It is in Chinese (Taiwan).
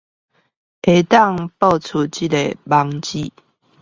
可以播這個網址